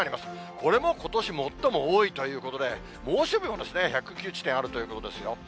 これもことし最も多いということで、猛暑日も１０９地点あるということですよ。